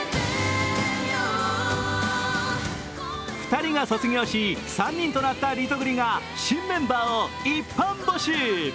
２人が卒業し３人となったリトグリが新メンバーを一般募集。